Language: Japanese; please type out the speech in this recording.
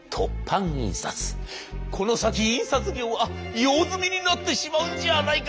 この先印刷業は用済みになってしまうんじゃないか？